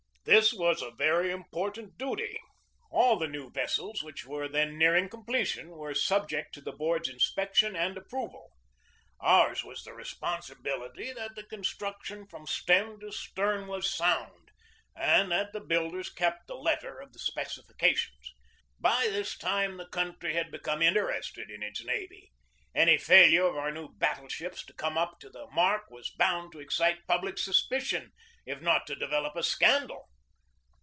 This was a very important duty. All the new vessels which were then nearing completion were sub ject to the board's inspection and approval. Ours was the responsibility that the construction from stem to stern was sound and that the builders kept the letter of the specifications. By this time the country had become interested in its navy. Any failure of our new battle ships to come up to the mark was bound to excite public suspicion, if not to develop a scandal.